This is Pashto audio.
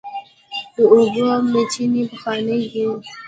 د اوبو میچنې پخوانۍ دي.